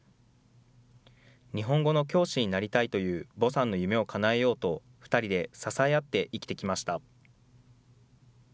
日本語の教師になりたいというヴォさんの夢をかなえようと、２人で支え合って生きてきました。